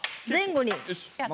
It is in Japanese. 前後に。